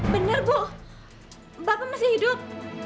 benar bu bapak masih hidup